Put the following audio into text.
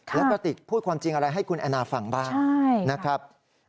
แล้วกระติกพูดความจริงอะไรให้คุณแอนนาฟังบ้างนะครับ